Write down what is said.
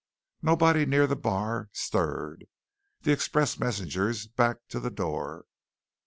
Nobody near the bar stirred. The express messengers backed to the door.